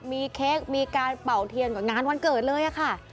มีเค้กมีการเป่าเทียนกว่างานวันเกิดเลยค่ะ